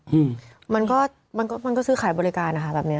อืมมันก็มันก็มันก็ซื้อขายบริการนะคะแบบเนี้ย